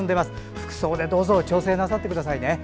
服装でどうぞ調整なさってくださいね。